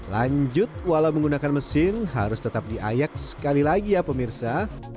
lanjut walau menggunakan mesin harus tetap diayak sekali lagi ya pemirsa